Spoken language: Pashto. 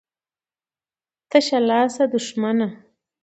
ـ تشه لاسه دښمنه.